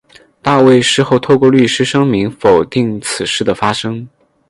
大卫事后透过律师声明否定此事的发生。